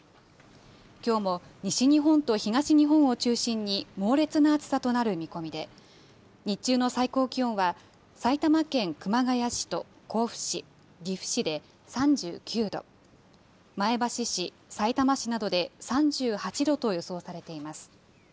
きょうも西日本と東日本を中心に、猛烈な暑さとなる見込みで、日中の最高気温は、埼玉県熊谷市と甲府市、岐阜市で３９度、前橋市、さいたま市などで３８度と予想されています。